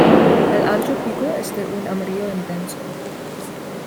El ancho pico es de un amarillo intenso.